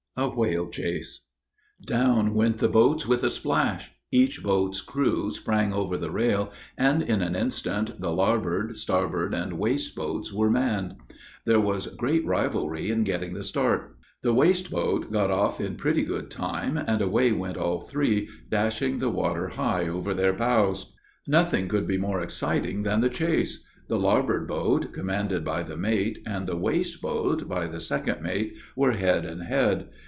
A WHALE CHASE. Down went the boats with a splash. Each boat's crew sprang over the rail, and in an instant the larboard, starboard, and waist boats were manned. There was great rivalry in getting the start. The waist boat got off in pretty good time; and away went all three, dashing the water high over their bows. Nothing could be more exciting than the chase. The larboard boat, commanded by the mate, and the waist boat, by the second mate, were head and head.